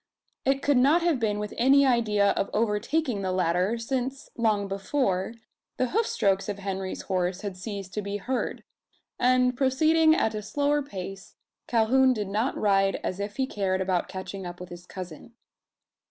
It could not have been with any idea of overtaking the latter: since, long before, the hoofstrokes of Henry's horse had ceased to be heard; and proceeding at a slower pace, Calhoun did not ride as if he cared about catching up with his cousin.